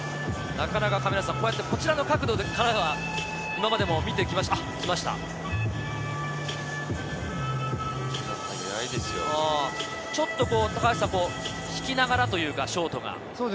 こちらの角度からは今までも見てきましたが、ちょっと引きながらというか、ショートが。